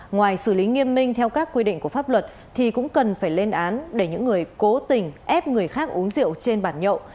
ngoài xử lý nghiêm minh theo các quy định của pháp luật thì cũng cần phải lên án để những người cố tình ép người khác uống rượu trên bản nhậu